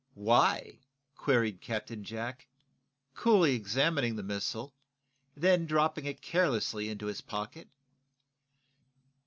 "Why?" queried Captain Jack, coolly, examining the missile, then dropping it carelessly into his pocket.